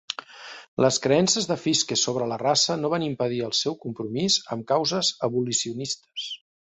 Les creences de Fiske sobre la raça no van impedir el seu compromís amb causes abolicionistes.